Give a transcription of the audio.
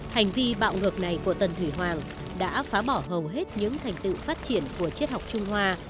hành vi bạo ngược này của tần thủy hoàng đã phá bỏ hầu hết những thành tựu phát triển của triết học trung hoa